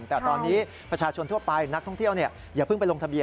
แต่ตอนนี้ประชาชนทั่วไปนักท่องเที่ยวอย่าเพิ่งไปลงทะเบีย